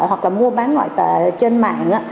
hoặc là mua bán ngoại tệ trên mạng